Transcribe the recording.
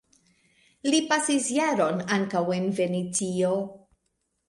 Li pasis jaron ankaŭ en Venecio.